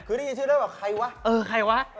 คือได้ยินชื่อได้ว่าใครวะ